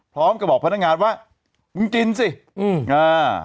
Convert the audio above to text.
พร้อมกับบอกพนักงานว่ามึงกินสิอืมอ่า